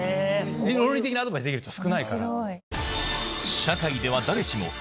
論理的なアドバイスできる人少ないから。